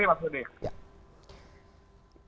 terima kasih mas budi